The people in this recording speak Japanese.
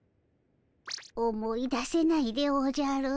思い出せないでおじゃる。